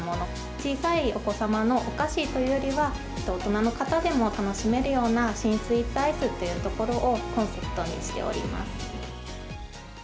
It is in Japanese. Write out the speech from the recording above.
小さいお子様のお菓子というよりは、大人の方でも楽しめるような、新スイーツアイスというところをコンセプトにしております。